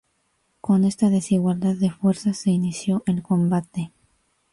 Con esta desigualdad de fuerzas se inició el combate.